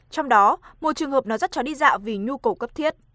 trong đó một trường hợp nó dắt chó đi dạo vì nhu cầu cấp thiết